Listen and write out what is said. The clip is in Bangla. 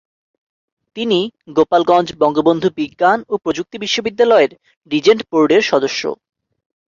তিনি গোপালগঞ্জ বঙ্গবন্ধু বিজ্ঞান ও প্রযুক্তি বিশ্ববিদ্যালয়ের রিজেন্ট বোর্ডের সদস্য।